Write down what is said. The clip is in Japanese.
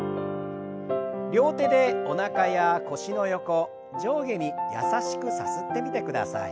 両手でおなかや腰の横上下に優しくさすってみてください。